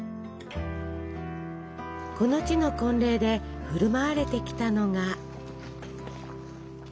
この地の婚礼で振る舞われてきたのが。